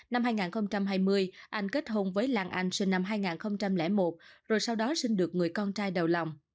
năm hai nghìn hai mươi anh kết hôn với lan anh sinh năm hai nghìn một rồi sau đó sinh được người con trai đầu lòng